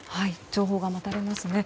情報が待たれますね。